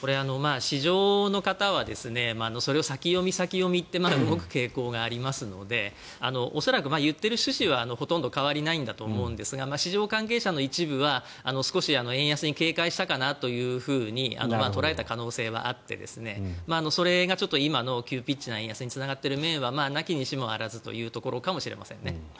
市場の方はそれを先読み先読みで動く傾向がありますので恐らく言っている趣旨はほとんど変わりないと思うんですが市場関係者の一部は少し円安に警戒したかなと捉えた可能性はあってそれが今の急ピッチな円安につながっている面はなきにしもあらずというところかもしれませんね。